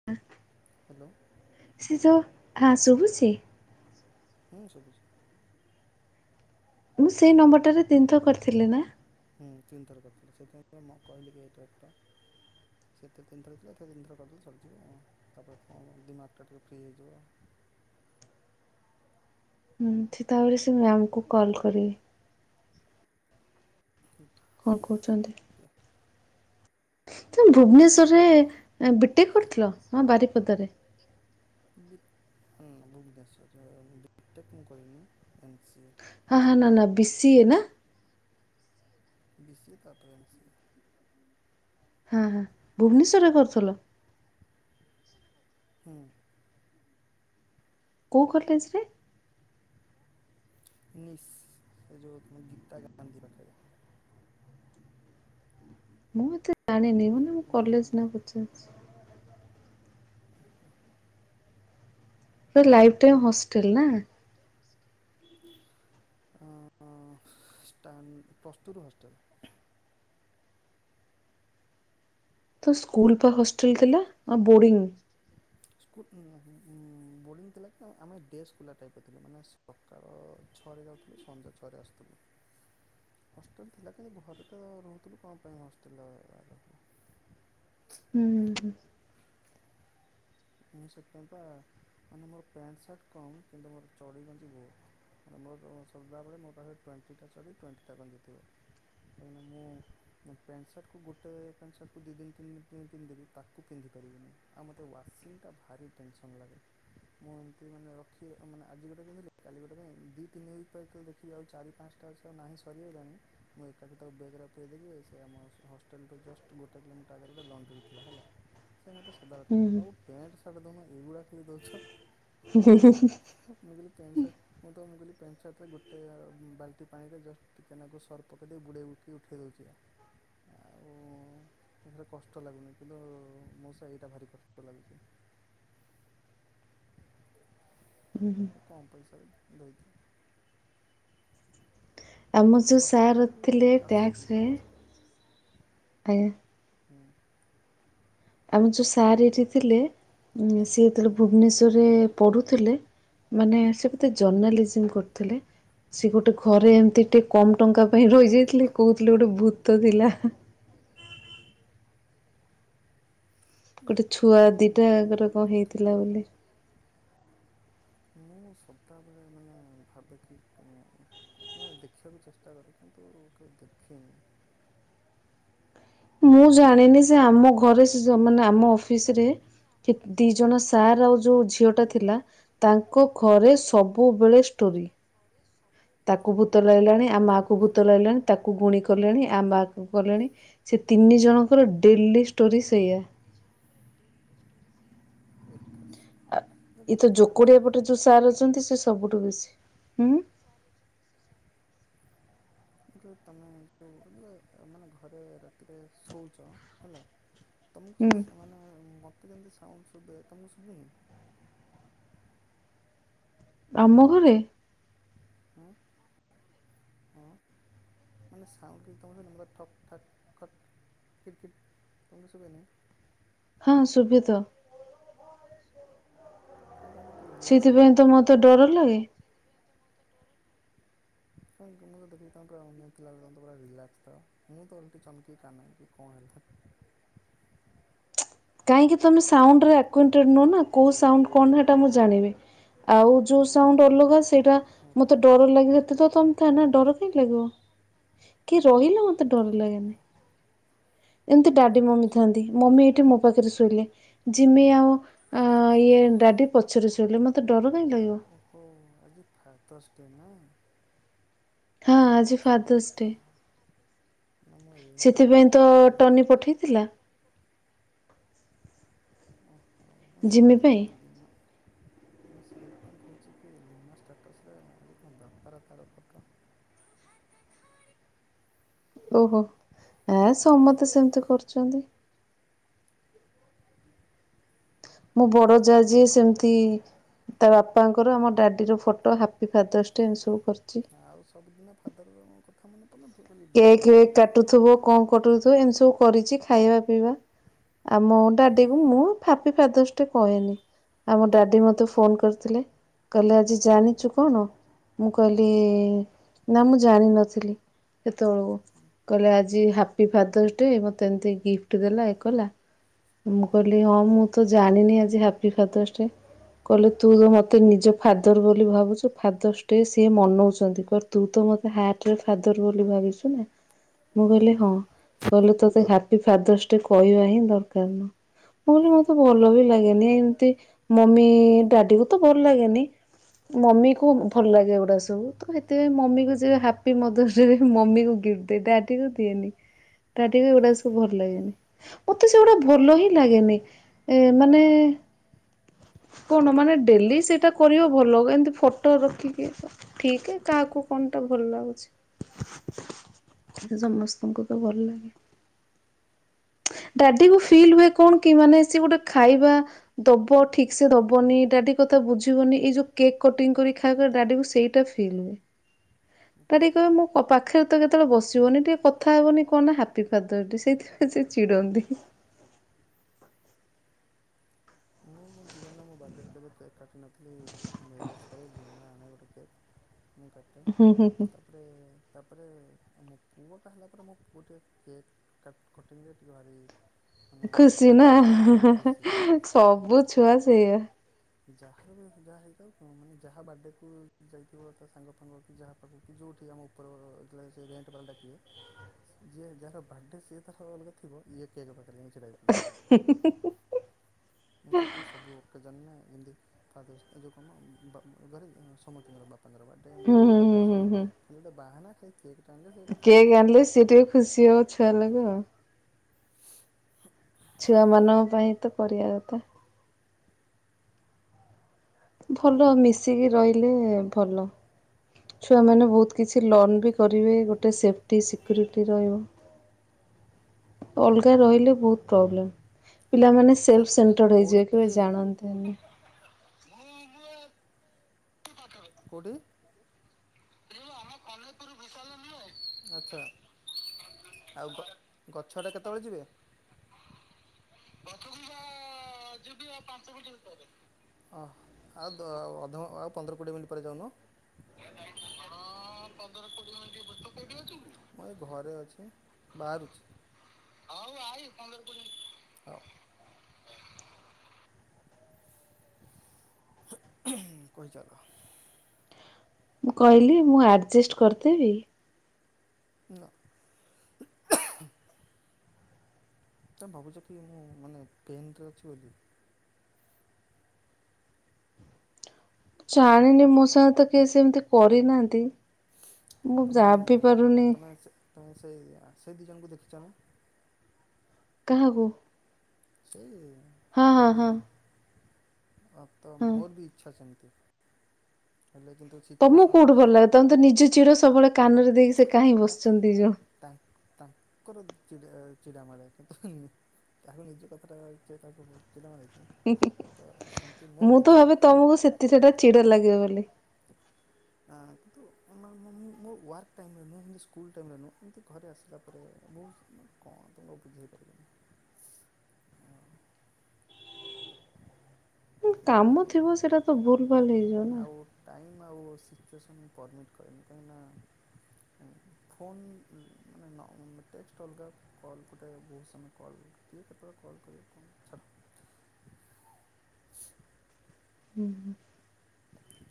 [inaudible] Hello. ସିଏ ଯଉ ହା- ଶୁଭୁଚି? ହୁଁ- ଶୁବୁଚି। ମୁଁ ସେଇ ନମ୍ବର ଟାରେ ତିନିଥର କରିଥିଲି ନା। ହୁଁ ତିନ୍ ଥର କରିଥିଲେ ସେଥିପାଇଁ ମୁଁ କହିଲି କି ଏଇଟା ଏକ୍ ଟା ସେତେ ତିନିଥର ହେଇଥିଲା ଏଇଥିରେ ତିନିଥର କରି ଦେଲେ ସରିଯିବ ଆଉ। ତାପରେ ତୁମ ଦିମାକ୍ ଟା ଟିକେ ଫ୍ରି ହେଇଯିବ। ହୁଁ ସେ ତାପରେ ସେ ମ୍ୟାମ୍ କୁ କଲ୍ କରିବି। ଠିକ୍। କଣ କରୁଚନ୍ତି? ତମେ ଭୁବନେଶ୍ୱରରେ ବିଟେକ୍ କରୁଥିଲ ନା ବାରିପଦାରେ? ହୁଁ ଭୁବନେଶ୍ଵରରେ ବିଟେକ୍ ମୁଁ କରିନି ଏମ୍ ସିଏ ହା- ହା -ନା -ନା ବିସିଏ ନା? ବିସିଏ ତାପରେ ଏମ୍ ସିଏ। ହଁ -ହଁ ଭୁବନେଶ୍ୱରରେ କରୁଥିଲ? ହୁଁ। କଉ କଲେଜ୍ ରେ? ନିଶ୍- ସେ ଯଉ ତମ ଗୀତା ଗାନ୍ଧୀ ପାଖେରେ। ମୁଁ ଏତେ ଜାଣିନି ମାନେ ମୁଁ ହୁଁ କଲେଜ୍ ନା ପଚାରୁଚି। ହ ପୁରା ଲାଇଫ୍ ଟାଇମ୍ ହଷ୍ଟେଲ୍ ନା? ହଁ ଷ୍ଟାନ୍- ପ୍ଲସ୍ ଟୁ ରୁ ହଷ୍ଟେଲ୍ ତ ସ୍କୁଲ୍ ପା ହଷ୍ଟେଲ୍ ଥିଲା ଆଉ ବୋଡିଙ୍ଗ୍। ସ୍କୁଲ୍ ଉଁ- ବୋର୍ଡିଙ୍ଗ ଥିଲା କି ଆ-ଆମେ ଡେସ୍ ପିଲା ଟାଇପ୍ ର ଥିଲୁ ମାନେ ସକାଳ ଛଅରେ ଯାଉଥିଲୁ ସନ୍ଧ୍ୟା ଛଅରେ ଆସୁଥିଲୁ। ହଷ୍ଟେଲ୍ ଥିଲା କିନ୍ତୁ ଘରେ ତ ରହୁଥିଲୁ କଣ ପାଇଁ ହଷ୍ଟେଲ୍ [unintelligible] ହୁଁ ହୁଁ ମୁଁ ସେଥିପାଇଁ ପା ମାନେ ମୋର ପ୍ୟାଣ୍ଟ୍ ସାର୍ଟ କମ୍ କିନ୍ତୁ ମୋର ଚଡ଼ି ଗଞ୍ଜି ବହୁତ୍। ମାନେ ମୋର ସଦାବେଳେ ମୋ ପାଖରେ ଟ୍ୱେଣ୍ଟି ଟା ଚଡ଼ି ଟ୍ୱେଣ୍ଟି ଟା ଗଞ୍ଜି ଥିବ। କାହିଁକି ନା ମୁଁ ମୁଁ ପ୍ୟାଣ୍ଟ ସାର୍ଟକୁ ଗୋଟେ ପ୍ୟାଣ୍ଟ୍ ସାର୍ଟକୁ ଦୁଇ ଦିନି ତିନିଦିନ୍ ପିନ୍ଧିଦେବି ତାକୁ ପିନ୍ଧିପାରିବିନି ଆଉ ମତେ ୱାସ୍ ଏଇଟା ଭାରି ଟେନସନ୍ ଲାଗେ। ମୁଁ ଏମିତି ମାନେ ରଖି ଆଜି ଗୋଟେ [unintelligible] କାଲି ଗୋଟେ ଦିନି ତିନି ଦେଖିବି ଆଉ ଚାରି ପାଞ୍ଚ୍ [unintelligible] ନାହିଁ ସରିଆଇଲାଣି ମୁଁ ଏକାକି ତାକୁ ବେଗ୍ ରେ ପୁରେଇ ଦେଇକି ସେ ଆମ ହସ୍ -ହଷ୍ଟେଲ୍ ରେ ଜଷ୍ଟ୍ ଗୋଟେ କିଲୋମିଟର ଆଗରେ ଗୋଟେ ଲଣ୍ଡ୍ରି ଥିଲା ହେଲା [unintelligible] ମୁଁ ତ ସଦା ବେଳେ ହୁଁ କୁହେ ବାବୁ ମୋତେ ପ୍ୟାଣ୍ଟ୍ ସାର୍ଟ ଦଉନ ଏଇଗୁଡ଼ାକ ଖାଲି ଦଉଚ। [inaudible] ମୁଁ କହିଲି ପ୍ୟାଣ୍ଟ୍ ସାର୍ଟ ମୁଁ ତ ମୁଁ କହିଲି ପ୍ୟାଣ୍ଟ୍ ସାର୍ଟ ଗୋଟେ ବାଲ୍ଟି ପାଣିରେ ଜଷ୍ଟ୍ ଟିକେ ନାକୁ ସର୍ପ ପକେଇ ଦେଇ ବୁଡ଼େଇ ଉଠେଇ ଦଉଚି ବା ଆଉ ଏଥିରେ କଷ୍ଟ ଲାଗୁନି କିନ୍ତୁ ମୋ ସେଇଟା ଭାରି କଷ୍ଟ ଲାଗୁଚି। ଚି [inaudible] କମ୍ ପଇସାରେ ଧୋଇଦିଏ। ଆମ ଯୋଉ ହଷ୍ଟେଲ୍ ସାର୍ ରେ ବି ଥିଲେ ଅଛନ୍ତି ଟ୍ୟାକ୍ସରେ ହସ୍ ଆଜ୍ଞା। ହୁଁ। ଆମର ଯେଉଁ ସାର୍ ଏଇଠି ଥିଲେ ଉ-ଉ-ଉ ସିଏ ହୁଁ ଯେତେବେଳେ ହୁଁ କୁହ ଭୁବନେଶ୍ୱରରେ-ଏ-ଏ-ଏ ପଢ଼ୁଥିଲେ ମାନେ ସେ ବୋଧେ ଜର୍ଣ୍ଣାଲିଜିମ୍ କରୁଥିଲେ ସେ ଗୋଟେ ଘରେ ଏମିତି ଟିକେ କମ୍ ଟଙ୍କା ପାଇଁ ରହିଯାଇଥିଲେ କହୁଥିଲେ ଗୋଟେ ଭୂତ ଥିଲା। ହ ଗୋଟେ ଛୁଆ ଆ-ଆ-ଆ-ଆ-ଆ ଦିଟାଙ୍କର ଗୋଟେ କଣ କଥା ହେଇଥିଲା କହିବି ନା ବୋଲି। ମୁଁ ମୁଁ ସଦାବେଳେ ମାନେ ଭାବେ କି ଉ-ଉ ନାଁଇ ଦେଖିବାକୁ ଚେଷ୍ଟା କରେ କିନ୍ତୁ-ଉ-ଉ-ଉ କାଇ ଦେଖେନି। ମୁଁ ଜାଣିନି ସେ ଆମ ଘରେ ସେ-ସ୍ ମାନେ ଆମ ଅଫିସରେ ଇ ଦି ଜଣ ସାର୍ ଆଉ ଯୋଉ ଝି ଝିଅଟା ମୁଁ ଥିଲା ତାଙ୍କ ଘରେ ସବୁବେଳେ ଷ୍ଟୋରି। ତାକୁ ଭୂତ ଲାଗଲାଣି ଆ ମାଆ କୁ ଆଚ୍ଛା ଭୂତ ଲାଗଲାଣି ତାକୁ ଗୁଣି କଲେଣି ଆ ମା କୁ କଲେଣି। ସେ ତିନି ଜଣଙ୍କର ଡେଲି ଷ୍ଟୋରି ସେଇଆା। [unintelligible] ଆ ଇ ଗୋଟେ ତ କଥା ପଚାରିବି ଯୋକଡିଆ ପଟେ ତମକୁ ଯୋଉ ସାର ଅଛନ୍ତି ସେ ସବୁଠୁ ବେଶୀ ହୁଁ [unintelligible] ତମେ ଯୋଉ ସବୁ ମାନେ ଘରେ ରାତିରେ ଶୋଉଛ ହେଲା, ତୁମକୁ ସେ ହୁଁ। ସ ମାନେ-ଏ-ଏ ମତେ ଯେମିତି ସାଉଣ୍ଡ ଶୁଭେ ତମକୁ ଶୁଭିବେନି। ଆମ ଘରେ? ଆ ଆଁ ମାନେ ସାଉଣ୍ଡ ବି ତମର ତମର ଠକ୍ ଠାକ୍ ଠକ୍ କିଟକିଟ କଣ ଶୁଭେନା? ହଁ ଶୁଭେ ତ। [unintelligible] ଥାଅ ସେଥିପାଇଁ ତ ମତେ ଡର ଲାଗେ। [unintelligible] ପୁରା ରିଲାକ୍ସ ତ ମୁଁ ତ ଓଲଟି ଚମକି କାନୟେ କି କଣ ହେଲା। କାହିଁକି ତମେ ସାଉଣ୍ଡ ରେ ଆକୁଏଣ୍ଟେଡ଼୍ ନୁହଁ ନା କୋଉ ସାଉଣ୍ଡ କଣ ହେଟା ମୁଁ ଜାଣିବି। ଆଉ ଯୋଉ ସାଉଣ୍ଡ ଅଲଗା ସେଇଟା ମତେ ଡର ଲାଗେ ତ-ତ-ଅ ତମ କାନରେ ଡର କାହିଁକି ଲାଗିବ, କି ରହିଲେ ମତେ ଡର ଲାଗେନି। ଏମିତି ଡାଡି, ମମି ଆଚ୍ଛା ଥାନ୍ତି ମମି ଏଇଠି ମୋ ପାଖରେ ଶୋଇଲେ। ଜିମି ଆଉ ଆ-ଆ-ଆ ଇଏ ଡାଡି ପଛରେ ଶୋଇଲେ ମତେ ଡର କାହିଁ ଲାଗିବ। ଓ-ଓ-ଓ ଆଜି ଫାଦର୍ସ ଡେ ନା? ହଁ ଆଜି ଆଚ୍ଛା ଫାଦର୍ସ ଆଚ୍ଛା। ଡେ। ନା ମୁଁ ଏଇନିକା ଷ୍ଟା ସେଥିପାଇଁ ତ-ଅ-ଅ-ଅ ଲିମାର ଟନି ପଠେଇଥିଲା। ଓହୋ ମୁ ଜିମି ସେଇଥିପାଇ ପାଇଁ କହୁଛି ଲି ମୁଁ ସେଇଥିପାଇଁ କହୁଛି କି ଲିନା ଷ୍ଟାଟସରେ ଅଜି କଣ ବାପାର ତାର ଫଟୋ। ଓହୋ ଆ ସମସ୍ତେ ସେମିତି କରୁଛନ୍ତି। ମୁଁ ବଡ ଯା ଯିଏ ସେମିତି-ଇ-ଇ-ଇ ତା ବାପାଙ୍କର ଆମ ଡାଡିର ଫଟୋ ହାପି ଫାଦର୍ସ ଡେ ଏମିତି ସବୁ କରିଛି। ଆଉ ସବୁଦିନ ଫାଦର-ଅ-ଅ-ଅଙ୍କ [unintelligible] କେକ୍ ଫେକ୍ କାଟୁଥିବ କଣ କରୁଥିବ ଏମତି ସବୁ କରିଛି ଖାଇବା ପିଇବା। ଆଉ ମୋ ଡାଡିକୁ ମୁଁ ହାପି ଫାଦର୍ସ ଡେ କହେନି। ଆମ ଡାଡି ମତେ ଫୋନ କରିଥିଲେ। କହିଲେ ଆଜି ହୁଁ ହୁଁ ଜାଣିଛୁ କଣ ମୁଁ କହିଲି ହୁଁ ନା ମୁଁ ଜାଣିନଥିଲି। ସେତେବେଳକୁ କହିଲେ ଆଜି ହୁଁ ହାପି ଫାଦରସ୍ ଡେ ମତେ ଏମତି ଗିଫ୍ଟ ଦେଲା ଇଏ କଲା। ମୁଁ କହିଲି ହଁ ମୁଁ ତ ଜାଣିନି ଆଜି ହାପି ଫାଦର୍ସ ଡେ। କହିଲେ ତୁ ଯୋଉ ମୋତେ ନିଜ ଫାଦର ବୋଲି ଭାବୁଛୁ ଫାଦର୍ସ ଡେ ସିଏ ମନଉଛନ୍ତି। ତୁ ତ ମତେ ହାର୍ଟରେ ଫାଦର ବୋଲି ଭାବିଛୁ ନା। ମୁଁ ହୁଁ କହିଲି ହଁ କହିଲେ ତତେ ହାପି ଫାଦର୍ସ ଡେ କହିବା ହିଁ ଦରକାର ନ। ମୁଁ କହିଲି ମତେ ଭଲ ବି ଲାଗେନି ଏମତି ମମି ଡାଡି କୁ ତ ଭଲ ଲାଗେନି। ମମିକୁ ଭଲ ଲାଗେ ଏଗୁଡ଼ା ସବୁ ତ ସେଥିପାଇଁ ମମିକୁ ଯିଏ ହାପି ମଦର୍ସ ଯିଏ ଯିଏ ସବୁ ମମି କୁ ଗିଫ୍ଟ ଦିଏ ଡାଡି କୁ ଦିଏନି ଡାଡି କୁ ଏଗୁଡା ସବୁ ଭଲ ଲାଗେନି। ମତେ ସେଗୁଡା ଭଲ ହିଁ ଲାଗେନି ଏ ମାନେ। କଣ ମାନେ ଡେଲି ସେଇଟା କରିବ ଭଲ ଏମିତି ଫଟୋ ରଖିକି। ଠିକ୍ କାହାକୁ କଣ ଟା ଭଲ ଲାଗୁଛି। ଏଟା ସମସ୍ତଙ୍କୁ ତ ଭଲ ଲାଗେ। ଡାଡି କୁ ଫିଲ୍ ହୁଏ କଣ କି ମାନେ ସେ ଗୋଟେ ଖାଇବା। ଦବ ଠିକ ସେ ଦବନି ଡାଡି କଥା ବୁଝିବନି ଏଇ ଯୋଉ କେକ୍ କଟିଂ କରି ଖାଇବା ଡାଡି କୁ ସେଇ। ଟା ଫିଲ୍ ହୁଏ। ହୁଁ ଡାଡି ଆଚ୍ଛା। କହିବେ ମୋ ପ ପାଖରେ ତ କେତେବେଳେ ବସିବନି ଟିକେ କଥା ହେବନି କଣ ନା ହାପି ଫାର୍ଦରସ ଡେ ସେଇଥିପାଇଁ ସେ ଚିଡ଼ନ୍ତି। ମୁଁ ମୋ ଜୀବନରେ ମୋ ବାଡେ ରେ କେବେ କେକ୍ କାଟି ନଥିଲି ମ୍ୟାରେଜ୍ ପରେ ଲିମା ଆଣେ ଗୋଟେ କେକ୍। ମୁଁ କାଟେ ହୁଁ ତା ହୁଁ ହୁଁ। ତାପରେ ତାପରେ ଆମ ପୁଅଟା ହେଲା ପରେ ମୋ ପୁଅ ଟିକେ କେକ୍। କାଟ୍ କଟିଙ୍ଗ ରେ ଟିକେ ଭାରି। ମାନେ ଖୁସି ନା ଖୁସି ସବୁ ଛୁଆ ସେଇଆ। ଯାହାର ବି ଯାହା ହେଇଥାଉ ମାନେ ଯାହା ବାର୍ଥଡେ କୁ ଯାଇଥିବ ତା ସାଙ୍ଗ ଫାଙ୍ଗ କି ଯାହା ପାଖକୁ କି ଯୋଉଠି ଆମ ଉ ଉପର ଜେଯେ ବେଳେ ସେ ରେଣ୍ଟ ବାଲା ଡାକିବେ। ଯିଏ ଯାହାର ବାର୍ଥଡେ ସିଏ ତାର ଅଲଗା ଥିବ ଇଏ କେକ୍ ପାଖରେ ଜାଇଁକି ଛିଡା ହଇଥିବ। ମୁଁ ସେଥିପାଇଁ ସବୁ ଅ କେଜନ୍ ରେ ଯମତି ଫାଦର୍ସ ଏ ଯୋଉ କଣ ମ ବ ଧର ସମସ୍ତିଙ୍କର ବ ବାପା ଙ୍କର ବଡେ ହୁଁ ମମି ହୁଁ ର ହୁଁ ବାଡେ ହୁଁ ସମ ହୁଁ। ଖାଲି ଗୋଟେ ବାହାନା ସେଇ କେକ୍ ଟା ଆଣିଲେ ସେ ଟିକେ କେକ୍ କାଟିବ। ଆଣିଲେ ସିଏ ଟିକେ ଖୁସି ହବ ଛୁଆ ଲୋକ। ହ ଛୁଆମାନଙ୍କ ପାଇଁ ତ କରିବା କଥା। ଭଲ ମିଶିକି ରହିଲେ ଭଲ। ଛୁଆମାନେ ବହୁତ କିଛି ଲର୍ଣ ବି କରିବେ ଗୋଟେ ସେଫ୍ଟି ସିକ୍ୟୁରିଟି ରହିବ। ଅଲଗା ରହିଲେ ବହୁତ ପ୍ରୋବ୍ଲେମ୍ ପିଲାମାନେ। ସାର୍ ସେଲ୍ଫ୍ ସେଣ୍ଟର୍ଡ଼ କୋଉଠି ହେଇଯିବ କେବେ କି? ଜାଣନ୍ତେନି। [unintelligible] କେଉଠି। [unintelligible] ଆଉ ଗଛ ଟା କେତେବେଳେ ଯିବେ। ଗଛ କୁ ବା ଯିବି ଆଉ ପାଞ୍ଚ ମିଣ୍ଟି ଭିତରେ। ଅଃ ଆଉ ଅଧ ଆଉ ପନ୍ଦର କୋଡ଼ିଏ ମିନିଟ୍ ପରେ ଯାଉନ। ଅଁ ପନ୍ଦର କୋଡିଏ ମିଣ୍ଟି ତୁ କୋଉଠି ଆଛୁ କି ମୁଁ ଏଇ ଘରେ ଅଛି। ବାହାରୁଛି ହଉ ଆଇ ପନ୍ଧର କୋଡିଏ। କହି ଚାଲ। ମୁଁ କହିଲି ମୁଁ ଆର୍ଜେଷ୍ଟ କରିଦେବି। ନା। ତମେ ଭାବୁଛ କି ମୁଁ ମାନେ ପେନ୍‌ରେ ଅଛି ବୋଲି। ଜାଣିନି ମୋ ସାଙ୍ଗେତ କେହି ସେମିତି କରିନାହାନ୍ତି। ମୁଁ ତମେ ଭାବି ପାରୁନି ତମେ ସେ ତମେ ସେଇ ସେ ଦି ଜଣଙ୍କୁ ଦେଖିଛ ନା? କାହାକୁ? ସେଇ ହଁ ଦୁ ହଁ ହଁ ଜଣ ତ ହଁ। ମୋର ବି ଇଚ୍ଛା ସେମିତି। ହେଲେ କିନ୍ତୁ ତମକୁ ସିଚୁଏସନ୍ କୋଉଠୁ ଭଲ ଟାଇମ୍ ଲାଗେ ତମେ ତ ନିଜ ଚିଡ ସବୁଳେ କାନରେ ଦେଇକି ସେ କାହିଁ ନାଇଁ ବସଚନ୍ତି ଦି ଜଣ। ତା ତାଙ୍କର ଚ ଚିଡ଼ା ମାଡ଼େ କିନ୍ତୁ। ତାକୁ ନିଜେ କଥାଟା ହେ ତାକୁ ଚିଡାମାଡ଼େ କି। ତ ସେମିତି ମୋର ବି ମୁଁ ତ ଇଚ୍ଛା ଭାବେ କିନ୍ତୁ ତମକୁ ସେତି ସେଟା ଚିଡା ଲାଗିବ ବୋଲି। ହଁ କିନ୍ତୁ ମୋ ୱାର୍କ ଟାଇମ୍ ରେ ନୁହେଁ ଏମିତି ସ୍କୁଲ୍ ଟାଇମ୍ ରେ ନୁହଁ ଏମିତି ଘରେ ଆସିଲା ପରେ ବହୁତ ମୁଁ କଣ ତୁମକୁ ବୁଝେଇ ପାରିବିନି। କିନ୍ତୁ କାମ ଟାଇମ୍ ଥିବ ସେଇଟା ତ ଭୁଲ ନା ଭାଲ ହେଇଯିବ ନା। ଆଉ ଟାଇମ୍ ଆଉ ସିଚୁଏସନ୍ ପରମିଟ୍ କରିନି କାହିଁକିନା ଫୋନ୍ ମାନେ ଟେଷ୍ଟ ଅଲଗା। କଲ୍ ଗୋଟେ ବହୁତ ସମୟ କଲ୍ କିଏ କେତେବେଳେ କଲ୍ କରିବେ କଣ ଛାଡ଼। [unintelligible] ହୁଁ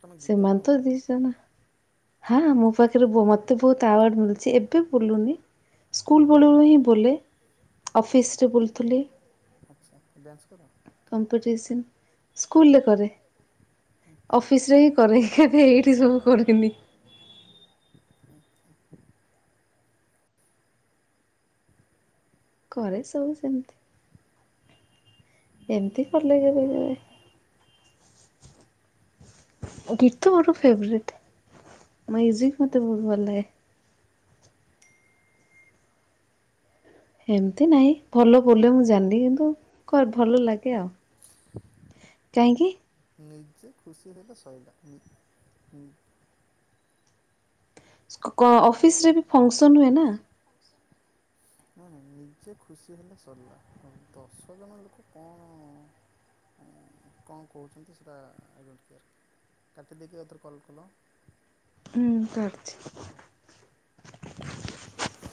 ତମେ ଗୀତ ଗାଅ? ସେମାନେ ତ ଦି ଜଣ। ହଁ ମୋ ପାଖରେ ମତେ ବହୁତ ଆୱାର୍ଡ ମିଳୁଛି ଏବେ ବୁଲୁନି। ସ୍କୁଲ ହୁଁ ବେଳରୁ ହିଁ ବୁଲେ ଅଫିସ୍‌ରେ ବୁଲୁଥିଲି। ଆଚ୍ଛା ଡ୍ୟାନ୍ସ କର। କମ୍ପିଟିସନ୍ ସ୍କୁଲରେ କରେ ହୁଁ ଅଫିସ୍ ରେ ଏହି କରେ କେବେ ଏଇଠି ସବୁ କରିନି। ଆ କରେ ସବୁ ସେମିତି ଏମିତି। କଲେଜ ରେ କେବେ। ଗୀତ ମୋର ଫେଭେରାଇଟ୍ ମ୍ୟୁଜିକ୍ ହୁଁ ମତେ ହୁଁ ବହୁତ ଭଲ ଲାଗେ। ଏମିତି ନାହିଁ ଭଲ ବୋଲେ ମୁଁ ଜାଣିଲି କିନ୍ତୁ ଭଲ ଲାଗେ ଆଉ। କାହିଁକି? ନିଜେ ଖୁସି ହେଲେ ଶଇଲା। ନି ମୋତେ କହୁଛ? ଅଫିସ୍‌ରେ ବି ଫଙ୍କସନ୍ ହୁଏ ନା। ନାହିଁ ନିଜେ ଖୁସି ହେଲେ ସରିଲା ଆଉ ଦଶ ଜଣ ଲୋକ କଣ କଣ କହୁଛନ୍ତି ସେଇଟା ଆଇଡୋଣ୍ଟ କେୟାର କାଟିଦେଇକି ଆଉଥରେ କଲ୍ କଲ। ହୁଁ କରୁଚି। [unintelligible]